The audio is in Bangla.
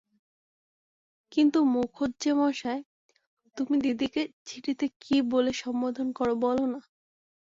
– কিন্তু মুখুজ্যেমশায়, তুমি দিদিকে চিঠিতে কী বলে সম্বোধন কর বলো-না!